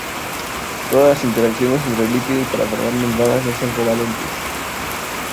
Todas las interacciones entre lípidos para formar membranas son no covalentes.